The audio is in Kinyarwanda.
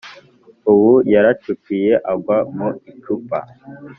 ubu yaracupiye agwa mu icupa